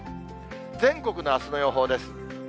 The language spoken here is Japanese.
全国のあすの予報です。